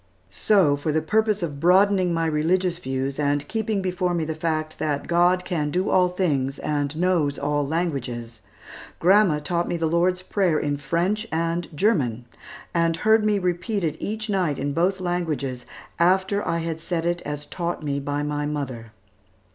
So for the purpose of broadening my religious views, and keeping before me the fact that "God can do all things and knows all languages," grandma taught me the Lord's Prayer in French and German, and heard me repeat it each night in both languages, after I had said it as taught me by my mother.